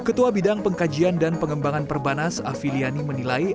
ketua bidang pengkajian dan pengembangan perbanas afi liani menilai